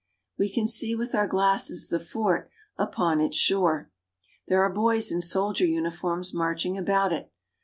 We can see with our glasses the fort upon its shore. There are boys in soldier uniforms marching*about it.